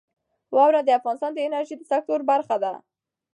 واوره د افغانستان د انرژۍ د سکتور برخه ده.